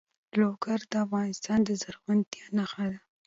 لوگر د افغانستان د زرغونتیا نښه ده.